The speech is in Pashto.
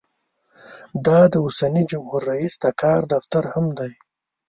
دا د اوسني جمهور رییس د کار دفتر هم دی.